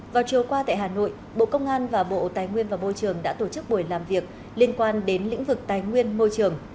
vào chiều qua tại hà nội bộ công an và bộ tài nguyên và môi trường đã tổ chức buổi làm việc liên quan đến lĩnh vực tài nguyên môi trường